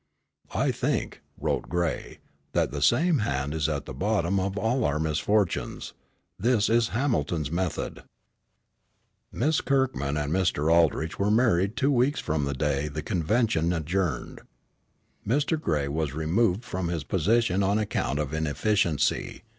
"I think," wrote Gray, "that the same hand is at the bottom of all our misfortunes. This is Hamilton's method." Miss Kirkman and Mr. Aldrich were married two weeks from the day the convention adjourned. Mr. Gray was removed from his position on account of inefficiency.